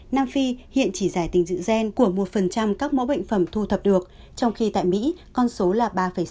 nam phi hiện chỉ giải tình dự gen của một các mẫu bệnh phẩm thu thập được trong khi tại mỹ con số là ba sáu